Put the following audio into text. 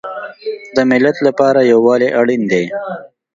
د ملت لپاره یووالی اړین دی